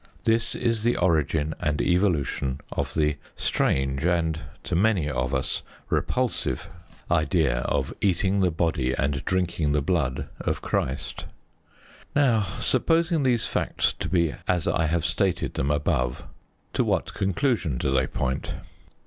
This is the origin and evolution of the strange and, to many of us, repulsive idea of eating the body and drinking the blood of Christ. Now, supposing these facts to be as I have stated them above, to what conclusion do they point?